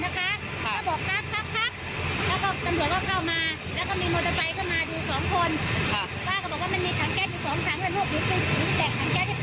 เขาก็บอกว่าเขาไม่กล้าเข้าไปครับป้า